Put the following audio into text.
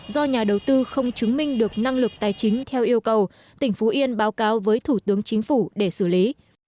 do nhà đầu tư không chứng minh được năng lực tài chính theo yêu cầu tỉnh phú yên báo cáo với thủ tướng chính phủ để xử lý